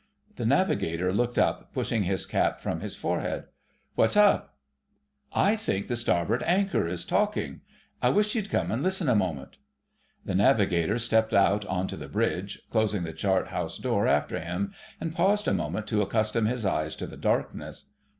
The Navigator looked up, pushing his cap from his forehead. "What's up?" "I think the starboard anchor is 'talking.' I wish you'd come and listen a moment." The Navigator stepped out on to the bridge, closing the chart house door after him, and paused a moment to accustom his eyes to the darkness.